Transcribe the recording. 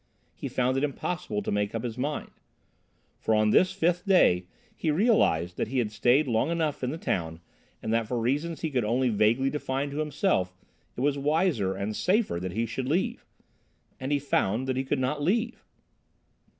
He found it impossible to make up his mind. For, on this fifth day, he realised that he had stayed long enough in the town and that for reasons he could only vaguely define to himself it was wiser and safer that he should leave. And he found that he could not leave!